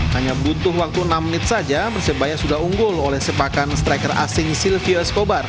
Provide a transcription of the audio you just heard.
hanya butuh waktu enam menit saja persebaya sudah unggul oleh sepakan striker asing sylvio eskobar